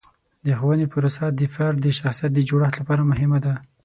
د ښوونې پروسه د فرد د شخصیت د جوړښت لپاره مهمه ده.